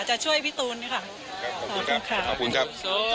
จะช่วยพี่ตูนค่ะขอบคุณครับ